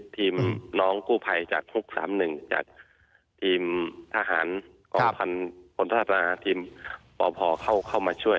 ทีมน้องกู้ภัยจากฮุก๓๑จากทีมทหารของพลทหารทีมปพเข้ามาช่วย